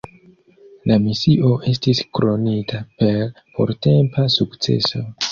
La misio estis kronita per portempa sukceso.